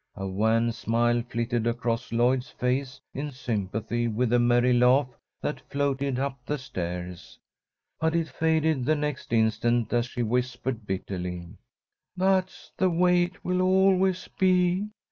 A wan smile flitted across Lloyd's face, in sympathy with the merry laugh that floated up the stairs. But it faded the next instant as she whispered, bitterly: "That's the way it will always be.